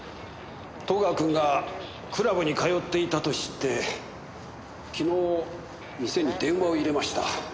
戸川君がクラブに通っていたと知って昨日店に電話を入れました。